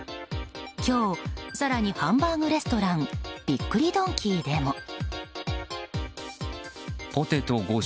今日、更にハンバーグレストランびっくりドンキーでも。